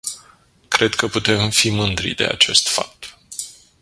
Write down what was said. Cred că putem fi mândri de acest fapt.